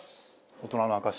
大人の証し。